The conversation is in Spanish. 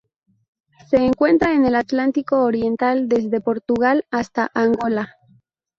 Se encuentra en el Atlántico oriental: desde Portugal hasta Angola.